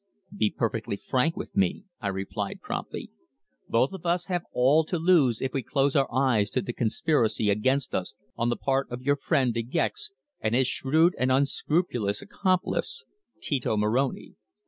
"Be perfectly frank with me," I replied promptly. "Both of us have all to lose if we close our eyes to the conspiracy against us on the part of your friend De Gex and his shrewd and unscrupulous accomplice, Tito Moroni."